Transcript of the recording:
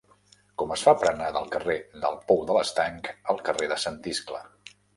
Com es fa per anar del carrer del Pou de l'Estanc al carrer de Sant Iscle?